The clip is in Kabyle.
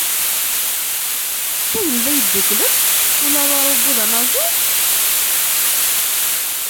Tagelda Yeddukklen, ula d arubu d anaẓur?